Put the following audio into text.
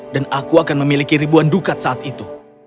dan aku akan memiliki ribuan dukat saat itu